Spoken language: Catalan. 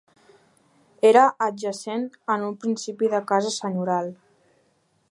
Era adjacent en un principi de la casa senyorial.